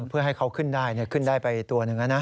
เพื่อให้เขาขึ้นได้เนี่ยขึ้นได้ไปตัวนึงนะนะ